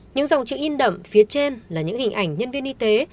những dòng chữ in đậm phía trên là những hình ảnh nhân viên y tế